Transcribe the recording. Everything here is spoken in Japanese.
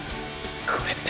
これって！！